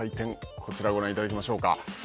こちらご覧いただきましょうか。